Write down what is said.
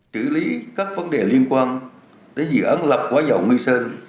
chỉ lý các vấn đề liên quan đến dự án lập quá dầu nguyên sơn